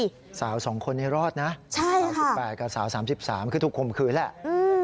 ก็สาว๒คนไปรอดนะ๓๘กับสาว๓๓ถูกข่มขืนแหละใช่ค่ะ